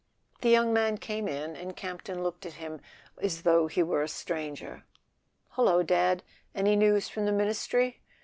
The young man came in, and Campton looked at him as though he were a stranger. "Hullo, Dad—any news from the Ministry?"